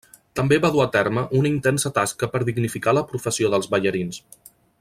També va dur a terme una intensa tasca per dignificar la professió dels ballarins.